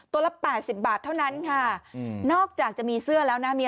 เท่าไหร่ตัวละ๘๐บาทเท่านั้นค่ะนอกจากจะมีเสื้อแล้วนะมี